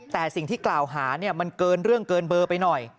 แต่สิ่งที่กล่าวหาเนี่ยมันเกินเรื่องเกินเบอร์ไปหน่อย